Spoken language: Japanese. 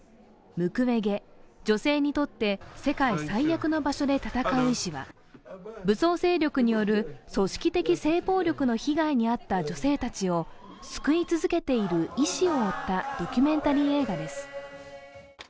「ムクウェゲ『女性にとって世界最悪の場所』で闘う医師」は武装勢力による組織的性暴力の被害に遭った女性たちを救い続けている医師を追ったドキュメンタリー映画です。